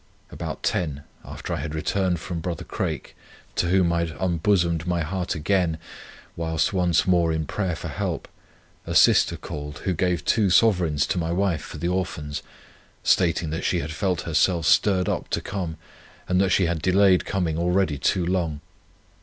About ten, after I had returned from brother Craik, to whom I had unbosomed my heart again, whilst once more in prayer for help, a sister called who gave two sovereigns to my wife for the Orphans, stating that she had felt herself stirred up to come and that she had delayed coming already too long.